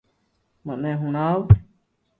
مني ھڻاووُ